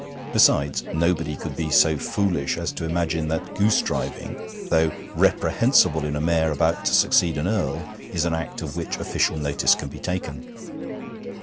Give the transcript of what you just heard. Besides, nobody could be so foolish as to imagine that goosedriving, though reprehensible in a Mayor about to succeed an Earl, is an act of which official notice can be taken.